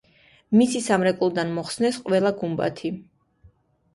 მისი სამრეკლოდან მოხსნეს ყველა გუმბათი.